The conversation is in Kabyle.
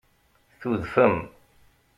Tudfem.